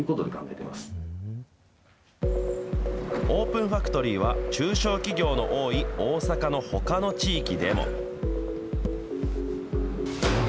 オープンファクトリーは中小企業の多い大阪のほかの地域でも。